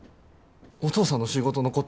お父さんの仕事のこと